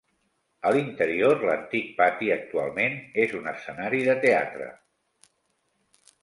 A l'interior, l'antic pati actualment és un escenari de teatre.